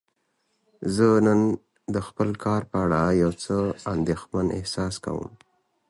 زه نن د خپل کار په اړه یو څه اندیښمن احساس کوم.